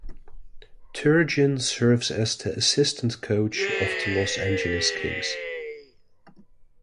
Turgeon serves as the assistant coach of the Los Angeles Kings.